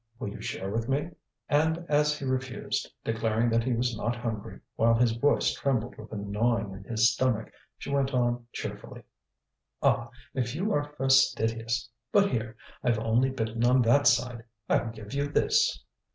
"Will you share with me?" And as he refused, declaring that he was not hungry, while his voice trembled with the gnawing in his stomach, she went on cheerfully: "Ah! if you are fastidious! But here, I've only bitten on that side. I'll give you this."